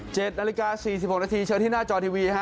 นาฬิกาสี่สิบหกนาทีเชิญที่หน้าจอทีวีฮะ